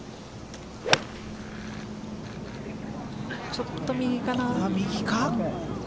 ちょっと右かな。